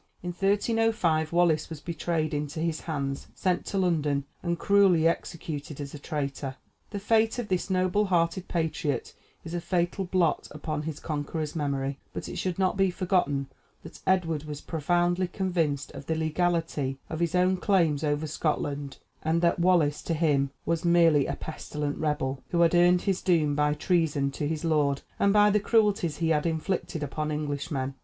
In 1305 Wallace was betrayed into his hands, sent to London, and cruelly executed as a traitor. The fate of this noble hearted patriot is a fatal blot upon his conqueror's memory, but it should not be forgotten that Edward was profoundly convinced of the legality of his own claims over Scotland, and that Wallace to him was merely a pestilent rebel, who had earned his doom by treason to his lord and by the cruelties he had inflicted upon Englishmen.